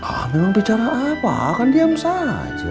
ah memang bicara apa akan diam saja